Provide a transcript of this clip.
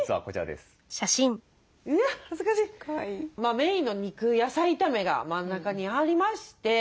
メインの肉野菜炒めが真ん中にありまして。